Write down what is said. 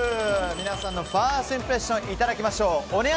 皆さんのファーストインプレッションいただきましょう。